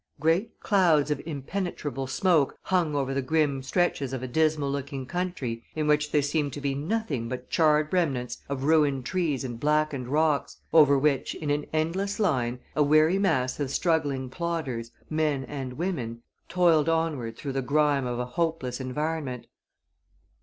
Great clouds of impenetrable smoke hung over the grim stretches of a dismal looking country in which there seemed to be nothing but charred remnants of ruined trees and blackened rocks, over which, in an endless line, a weary mass of struggling plodders, men and women, toiled onward through the grime of a hopeless environment.